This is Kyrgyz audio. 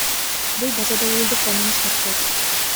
Бул базада уюлдук байланыш тартпайт.